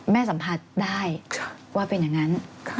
สัมผัสได้ว่าเป็นอย่างนั้น